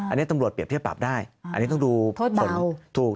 อันนี้ตำรวจเปรียบเทียบปรับได้อันนี้ต้องดูผลถูก